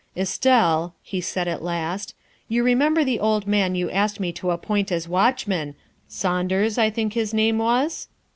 " Estelle," he said at last, " you remember the old man you asked me to appoint as watchman Saunders, I think his name was